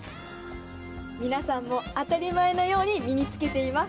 皆さんも当たり前のように身に着けています。